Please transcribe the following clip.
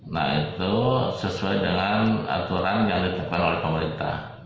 nah itu sesuai dengan aturan yang ditetapkan oleh pemerintah